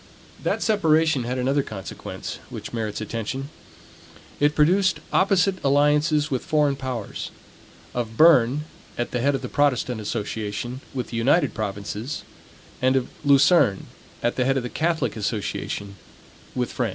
That separation had another consequence, which merits attention. It produced opposite alliances with foreign powers: of Berne, at the head of the Protestant association, with the United Provinces; and of Luzerne, at the head of the Catholic association, with France.